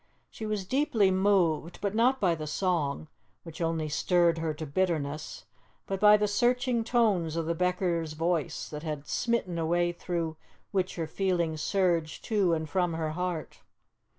She was deeply moved, but not by the song, which only stirred her to bitterness, but by the searching tones of the beggar's voice, that had smitten a way through which her feelings surged to and from her heart.